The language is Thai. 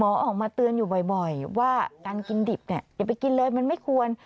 ออกมาเตือนอยู่บ่อยว่าการกินดิบเนี่ยอย่าไปกินเลยมันไม่ควร